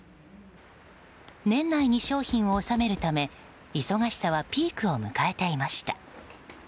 年内に商品を納めるため忙しさはピークを迎えていました。